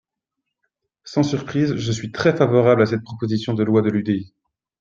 Sans surprise, je suis très favorable à cette proposition de loi de l’UDI.